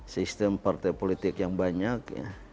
sistem partai politik yang banyak